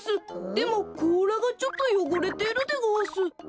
でもこうらがちょっとよごれてるでごわす。